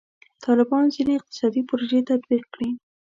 طالبانو ځینې اقتصادي پروژې تطبیق کړي.